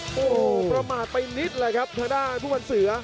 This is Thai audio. โอ้โหประมาทไปนิดเลยครับทางด้านผู้วันเสือ